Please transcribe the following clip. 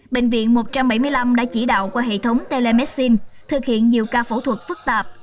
bệnh viện một trăm bảy mươi năm đã chỉ đạo qua hệ thống telemedine thực hiện nhiều ca phẫu thuật phức tạp